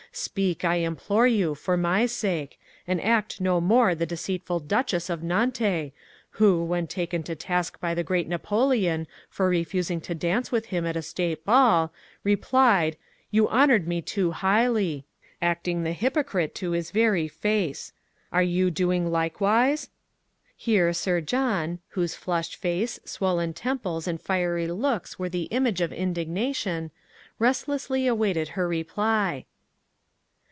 "Speak, I implore you, for my sake, and act no more the deceitful Duchess of Nanté, who, when taken to task by the great Napoleon for refusing to dance with him at a State ball, replied, 'You honoured me too highly' acting the hypocrite to his very face. Are you doing likewise?" Here Sir John, whose flushed face, swollen temples, and fiery looks were the image of indignation, restlessly awaited her reply.